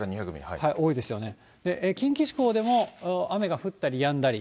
多いですよね、近畿地方では雨が降ったりやんだり。